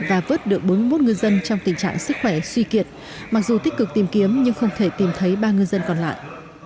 và vớt được bốn mươi một ngư dân trong tình trạng sức khỏe suy kiệt mặc dù tích cực tìm kiếm nhưng không thể tìm thấy ba ngư dân còn lại